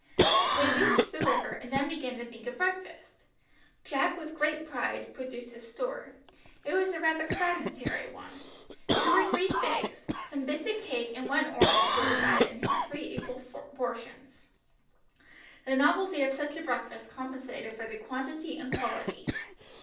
They reached the river and then began to think of breakfast. Jack with great pride produced his store. It was rather a fragmentary one. Two or three figs, some bits of cake and one orange were divided into three equal portions. The novelty of such a breakfast compensated for the quantity and quality.